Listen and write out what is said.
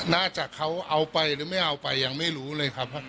น่าจะเขาเอาไปหรือไม่เอาไปยังไม่รู้เลยครับ